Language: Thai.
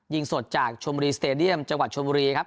ยิงสดจากชมบุรีสเตดียมจังหวัดชนบุรีครับ